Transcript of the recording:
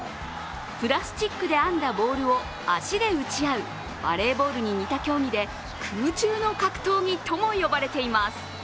プラスチックで編んだボールを足で打ち合うバレーボールに似た競技で空中の格闘技とも呼ばれています。